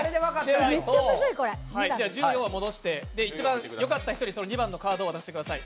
１４は戻して、一番よかった人にその２番のカードを渡してください。